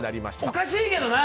おかしいけどな！